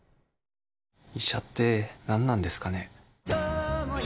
医者って、何なんですかね。